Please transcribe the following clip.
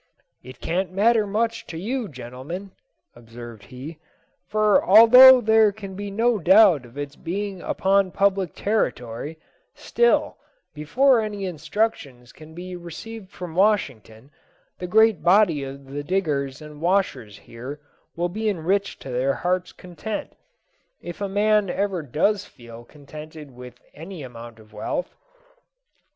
"It can't matter much to you, gentlemen," observed he, "for although there can be no doubt of its being upon public territory, still, before any instructions can be received from Washington, the great body of the diggers and washers here will be enriched to their heart's content, if a man ever does feel contented with any amount of wealth."